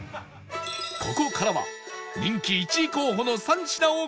ここからは人気１位候補の３品をご紹介